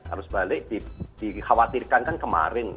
arus balik dikhawatirkan kan kemarin